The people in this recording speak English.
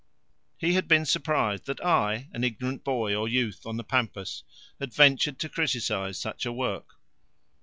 He had been surprised that I, an ignorant boy or youth on the pampas, had ventured to criticise such a work.